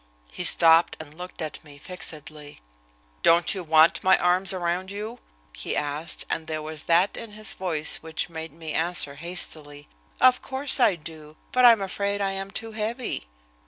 He stopped and looked at me fixedly. "Don't you want my arms around you?" he asked, and there was that in his voice which made me answer hastily: "Of course I do, but I am afraid I am too heavy."